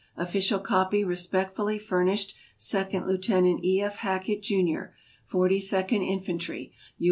Official copy respectfully furnished Second Lieu tenant E. F. Hackett, Jr., Forty second Infantry, U.